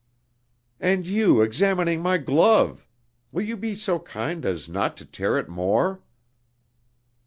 "And you examining my glove!... Will you be so kind as not to tear it more!"